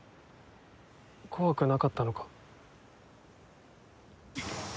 怖くなかったのか？